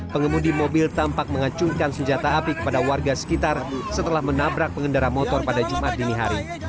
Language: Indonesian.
pengemudi mobil tampak mengacungkan senjata api kepada warga sekitar setelah menabrak pengendara motor pada jumat dini hari